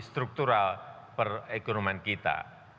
struktural perekonomian kita